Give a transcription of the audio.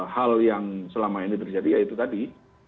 hal yang selama ini terjadi ya itu tadi